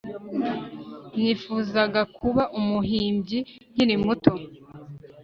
Nifuzaga kuba umuhimbyi nkiri muto